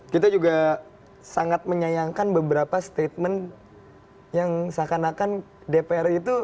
kita juga sangat menyayangkan beberapa statement yang seakan akan dpr itu